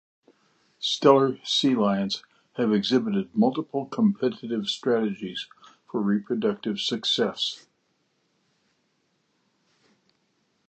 Steller sea lions have exhibited multiple competitive strategies for reproductive success.